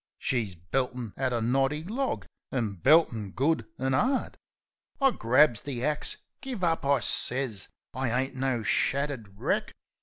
She's beltin' at a knotty log, an' beltin' good an' 'ard. I grabs the axe. "Give up," I sez. "I ain't no shattered wreck.